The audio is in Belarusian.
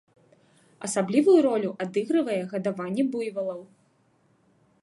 Асаблівую ролю адыгрывае гадаванне буйвалаў.